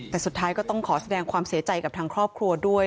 แต่สุดท้ายก็ต้องขอแสดงความเสียใจกับทางครอบครัวด้วย